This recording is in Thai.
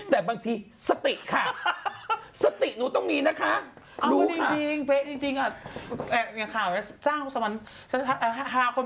แต่บางทีสติค่ะ